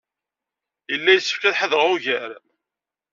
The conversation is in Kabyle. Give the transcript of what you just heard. Yella yessefk ad ḥadreɣ ugar.